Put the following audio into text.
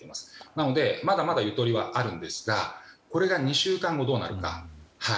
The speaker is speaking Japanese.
なので、まだまだゆとりはあるんですがこれが２週間後どうなるか。